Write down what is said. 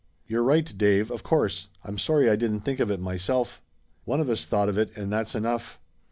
"You're right, Dave, of course. I'm sorry I didn't think of it myself." "One of us thought of it, and that's enough.